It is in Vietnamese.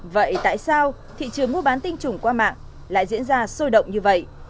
vậy tại sao thị trường mua bán tinh trùng qua mạng lại diễn ra sôi động như vậy